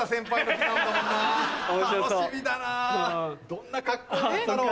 どんな格好なんだろう？